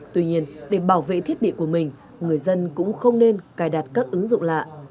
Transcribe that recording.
tuy nhiên để bảo vệ thiết bị của mình người dân cũng không nên cài đặt các ứng dụng lạ